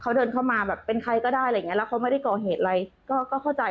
เขาเดินเข้ามาเป็นใครก็ได้แล้วเขาไม่ได้ก่อเหตุอะไรก็เข้าใจ